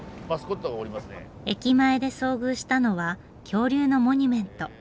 駅前で遭遇したのは恐竜のモニュメント。